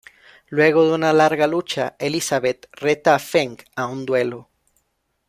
Luego de una larga lucha, Elizabeth reta a Feng a un duelo.